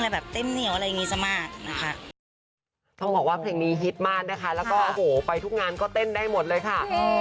อะไรแบบเต้มเหนียวอะไรอย่างนี้ซะมากนะคะ